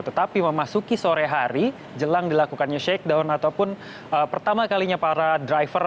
tetapi memasuki sore hari jelang dilakukannya shakedown ataupun pertama kalinya para driver